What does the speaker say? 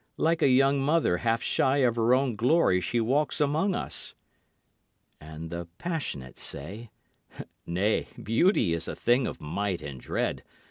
Like a young mother half shy of her own glory she walks among us." And the passionate say, "Nay, beauty is a thing of might and dread.